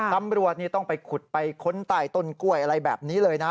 ตำรวจนี่ต้องไปขุดไปค้นใต้ต้นกล้วยอะไรแบบนี้เลยนะ